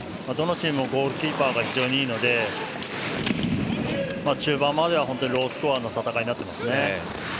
どのチームもゴールキーパーが非常にいいので中盤まではロースコアの戦いになっていますね。